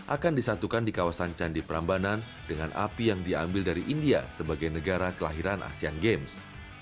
akan disatukan di kawasan candi prambanan dengan api yang diambil dari india sebagai negara kelahiran asean games